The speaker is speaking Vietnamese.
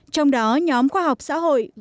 trong đó nhóm khoa học xã hội